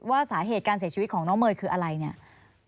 ว่าสาเหตุการเสียชีวิตของน้องเมย์คืออะไรเนี่ย